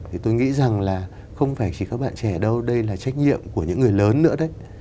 thì tôi nghĩ rằng là không phải chỉ các bạn trẻ đâu đây là trách nhiệm của những người lớn nữa đấy